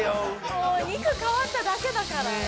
もう肉変わっただけだから。